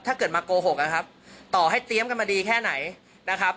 ถ้าเกิดมาโกหกนะครับต่อให้เตรียมกันมาดีแค่ไหนนะครับ